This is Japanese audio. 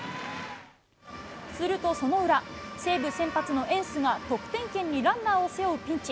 するとその裏、西武、先発のエンスが、得点圏にランナーを背負うピンチ。